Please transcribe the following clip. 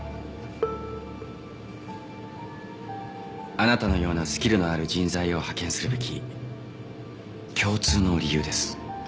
あなたのようなスキルのある人材を派遣するべき共通の理由です。